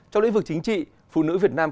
trong lĩnh vực chính trị phụ nữ việt nam